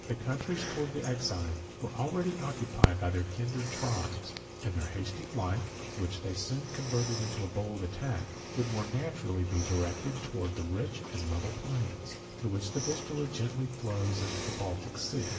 The countries towards the Euxine were already occupied by their kindred tribes; and their hasty flight, which they soon converted into a bold attack, would more naturally be directed towards the rich and level plains, through which the Vistula gently flows into the Baltic Sea.